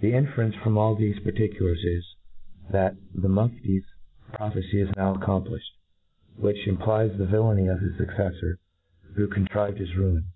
The inference from all thefe particulars is, that the Mufti's prophecy is; now accomplifhed: : which implies the villany of his fucceflbr, who contrived his ruin.